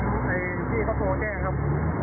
พี่เค้าโทรแจ้งครับ